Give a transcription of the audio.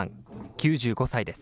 ９５歳です。